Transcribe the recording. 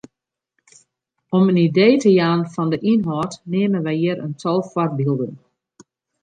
Om in idee te jaan fan de ynhâld neame wy hjir in tal foarbylden.